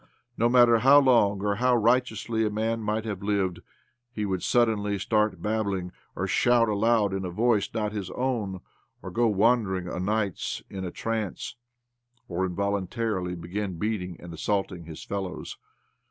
No matter how long or how righteously a man might have lived, he would suddenly start babbling, or shout aloud in a voice not his own, or* go wandering OBLOMOV ЫЗ о' nights in a trance, or involuntarily begin beating and assaulting his fellows.